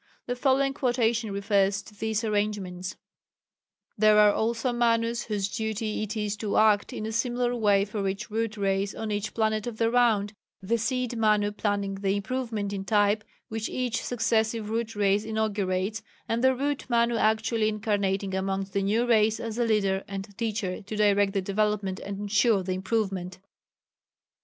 The following quotation refers to these arrangements: "There are also Manus whose duty it is to act in a similar way for each Root Race on each Planet of the Round, the Seed Manu planning the improvement in type which each successive Root Race inaugurates and the Root Manu actually incarnating amongst the new Race as a leader and teacher to direct the development and ensure the improvement."